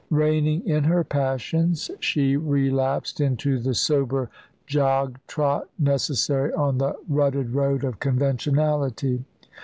Reining in her passions, she relapsed into the sober jog trot necessary on the rutted road of conventionality.